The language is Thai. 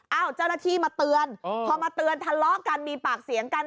เจ้าหน้าที่มาเตือนพอมาเตือนทะเลาะกันมีปากเสียงกัน